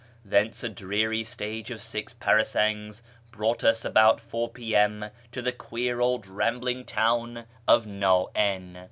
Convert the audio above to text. Thence a dreary stage of six parasangs brought us about 4 p.m. to the queer old rambling town of Na in.